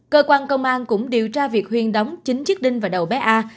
cơ quan công an cũng điều tra việc huyên đóng chính chiếc đinh vào đầu bé a